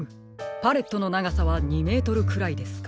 パレットのながさは２メートルくらいですか。